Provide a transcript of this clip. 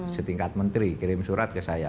setingkat menteri kirim surat ke saya